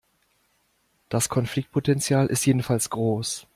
Das Konfliktpotenzial ist jedenfalls groß.